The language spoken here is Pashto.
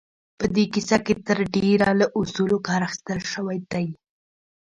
په دې کيسه کې تر ډېره له اصولو کار اخيستل شوی دی.